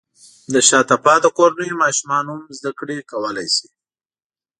د شاته پاتې کورنیو ماشومان هم زده کړې کولی شي.